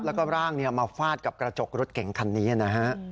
แล้วก็ร่างมาฟาดกับกระจกรถเก๋งคันนี้นะฮะ